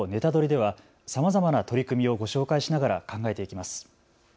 ではさまざまな取り組みをご紹介しながら考えていきます。